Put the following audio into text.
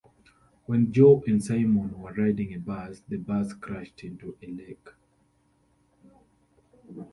When Joe and Simon were riding a bus, the bus crashed into a lake.